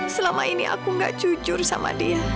selama ini aku gak jujur sama dia